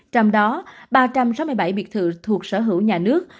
trong đó ba trăm sáu mươi bảy biệt thự thuộc sở hữu nhà nước